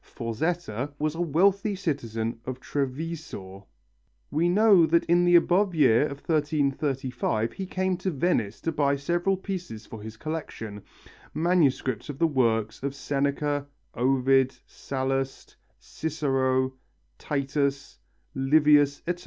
Forzetta was a wealthy citizen of Treviso. We know that in the above year of 1335 he came to Venice to buy several pieces for his collection, manuscripts of the works of Seneca, Ovid, Sallust, Cicero, Titus, Livius, etc.